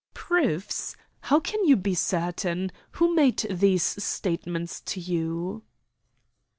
"Proofs! How can you be certain? Who made these statements to you?"